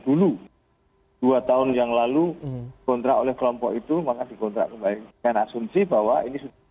dulu dua tahun yang lalu kontrak oleh kelompok itu maka dikontrak kembali dengan asumsi bahwa ini sudah